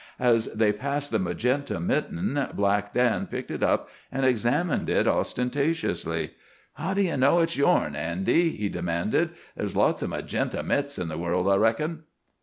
As they passed the magenta mitten Black Dan picked it up and examined it ostentatiously. "How do ye know it's yourn, Andy?" he demanded. "There's lots of magenta mitts in the world, I reckon."